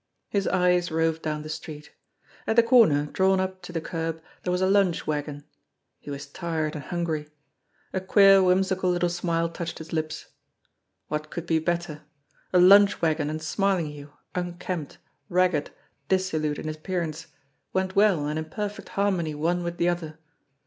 His eyes roved down the street. At the corner, drawn up to the curb, there was a lunch wagon. He was tired and hungry. A queer, whimsical little smile touched his lips. What could be better? A lunch wagon and Smarlinghue, unkempt, ragged, dissolute in appearance, went well and in perfect harmony one with the other